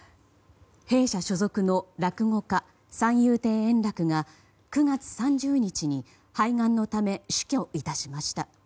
弊社所属の落語家・三遊亭円楽が９月３０日に肺がんのため死去いたしました。